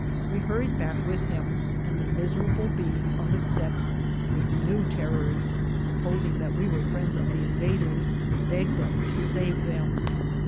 We hurried back with him, and the miserable beings on the steps, with new terrors, supposing that we were friends of the invaders, begged us to save them.